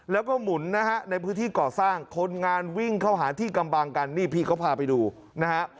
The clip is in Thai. แล้วก็หมุนนะฮะในพื้นที่ก่อสร้างคนงานวิ่งเข้าหาที่กำบังกันนี่พี่เขาพาไปดูนะฮะ